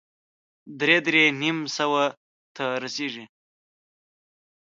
درې- درې نيم سوه ته رسېږي.